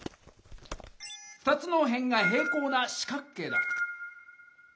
２つの辺が平行な四角形だ。